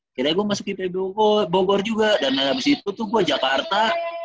akhirnya gue masukin bogor juga dan abis itu tuh gue jakarta